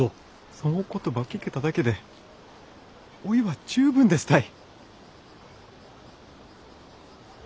そんお言葉ば聞けただけでおいは十分ですたい！